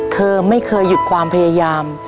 เธอไม่เคยหยุดความพยายาม